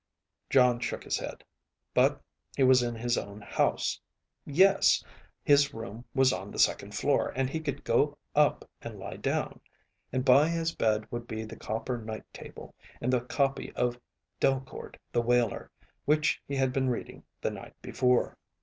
Jon shook his head. But he was in his own house, yes. His room was on the second floor and he could go up and lie down. And by his bed would be the copper night table, and the copy of Delcord the Whaler which he had been reading the night before.